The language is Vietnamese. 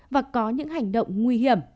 và có những hành động nguy hiểm